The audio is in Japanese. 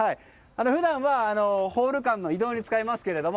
普段はホール間の移動に使いますけれども。